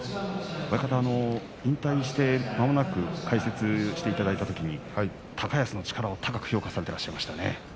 親方は引退して、まもなく解説していただいたときに高安の力を高く評価されていましたね。